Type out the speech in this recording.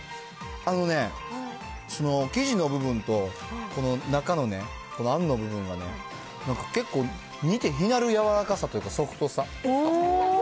あのね、生地の部分と、この中のね、このあんの部分がね、結構似て非なるやわらかさというか、ソフトさ。